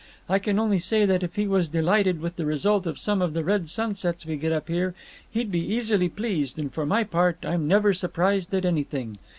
I can only say that, if he was delighted with the result of some of the red sunsets we get up here, he'd be easily pleased, and for my part I'm never surprised at anything.